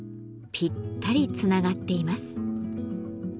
ぴったりつながっています。